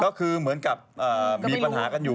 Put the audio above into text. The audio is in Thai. ก็คือเหมือนกับมีปัญหากันอยู่